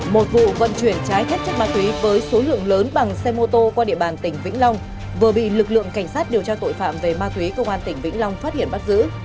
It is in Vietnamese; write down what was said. một vụ vận chuyển trái phép chất ma túy với số lượng lớn bằng xe mô tô qua địa bàn tỉnh vĩnh long vừa bị lực lượng cảnh sát điều tra tội phạm về ma túy công an tỉnh vĩnh long phát hiện bắt giữ